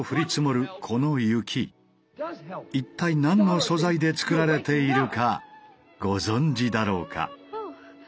一体何の素材で作られているかご存じだろうか。